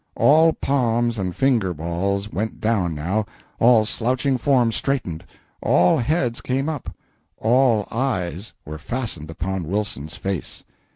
All palms and finger balls went down, now, all slouching forms straightened, all heads came up, all eyes were fastened upon Wilson's face.